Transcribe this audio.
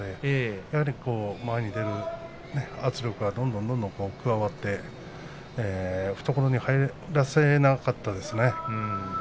やはり前に出る圧力がどんどん加わって懐に入らせなかったですね。